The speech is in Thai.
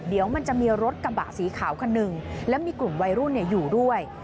เดี๋ยวมันจะมีรถกระบะสีขาวคันหนึ่งแล้วมีกลุ่มวัยรุ่นอยู่ด้วย